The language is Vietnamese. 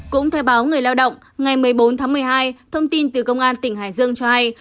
cũng theo báo người lao động ngày một mươi bốn tháng một mươi hai thông tin từ công an tỉnh hải dương cho hay